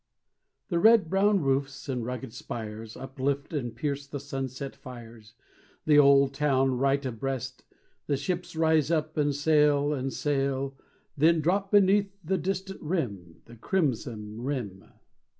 The red brown roofs and rugged spires Uplift and pierce the sunset fires, The old town right abreast. The ships rise up, and sail, and sail, Then drop beneath the distant rim The crimson rim.